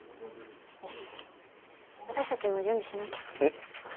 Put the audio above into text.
よし私たちも準備しなきゃ。